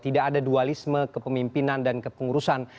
tidak ada dualisme kepemimpinan dan kepengurusan